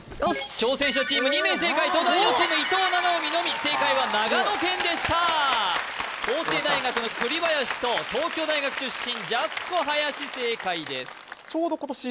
挑戦者チーム２名正解東大王チーム伊藤七海のみ正解は長野県でした法政大学の栗林と東京大学出身ジャスコ林正解です